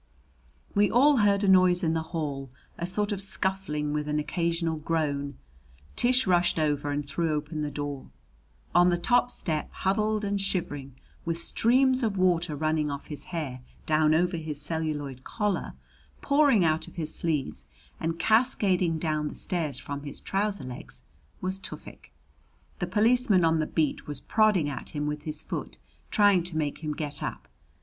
We all heard a noise in the hall a sort of scuffling, with an occasional groan. Tish rushed over and threw open the door. On the top step, huddled and shivering, with streams of water running off his hair down over his celluloid collar, pouring out of his sleeves and cascading down the stairs from his trousers legs, was Tufik. The policeman on the beat was prodding at him with his foot, trying to make him get up.